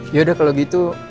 yaudah kalau gitu